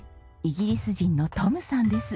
イギリス人のトムさんです。